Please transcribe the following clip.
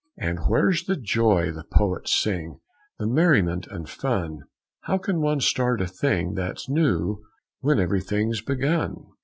"And where's the joy the poets sing, the merriment and fun? How can one start a thing that's new when everything's begun?